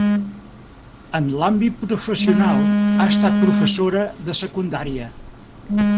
En l'àmbit professional, ha estat professora de secundària.